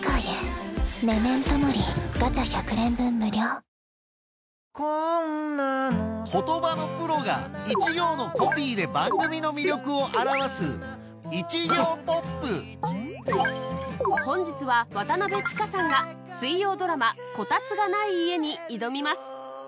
三菱電機言葉のプロが一行のコピーで番組の魅力を表す本日は渡千佳さんが水曜ドラマ『コタツがない家』に挑みます